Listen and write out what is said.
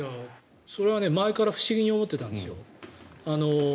それは前から不思議に思ってたんですよ。